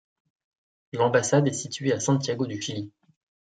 L'ambassade est située à Santiago du Chili.